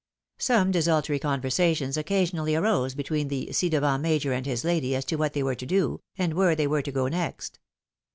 Some desultory conversations occasionally arose between the ci devant major and his lady as to what they were to do, and where they were to go next.